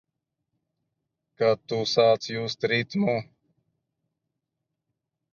Kad tu sāc just ritmu.